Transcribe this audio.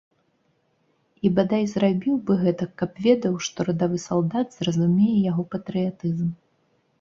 І, бадай, зрабіў бы гэтак, каб ведаў, што радавы салдат зразумее яго патрыятызм.